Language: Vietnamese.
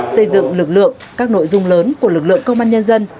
xây dựng lực lượng các nội dung lớn của lực lượng công an nhân dân